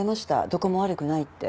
どこも悪くないって。